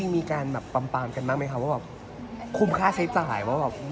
จริงมีการแบบปัมกันบ้างไหมครับว่าคุ้มค่าใช้จ่าย